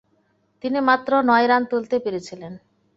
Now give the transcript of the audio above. তিনি মাত্র নয় রান তুলতে পেরেছিলেন।